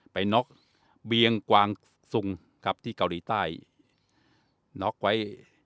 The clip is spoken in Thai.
น็อกเบียงกวางสุงครับที่เกาหลีใต้น็อกไว้